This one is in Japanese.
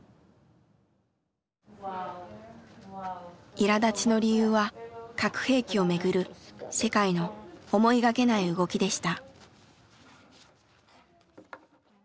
いらだちの理由は核兵器をめぐる世界の思いがけない動きでした。